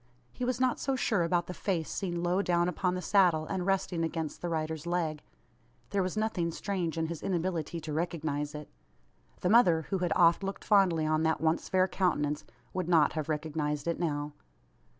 He was not so sure about the face seen low down upon the saddle, and resting against the rider's leg. There was nothing strange in his inability to recognise it. The mother, who had oft looked fondly on that once fair countenance, would not have recognised it now.